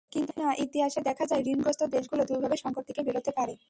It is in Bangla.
কিন্তু না, ইতিহাসে দেখা যায়, ঋণগ্রস্ত দেশগুলো দুভাবে সংকট থেকে বেরোতে পারে।